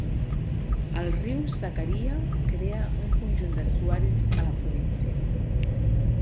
El riu Sakarya crea un conjunt d'estuaris a la província.